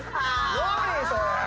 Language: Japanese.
何それ！